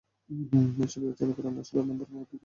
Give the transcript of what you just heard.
এসব বিবেচনা করে আমি আসলে নম্বর পাওয়ার দিকেই বেশি গুরুত্ব দিই।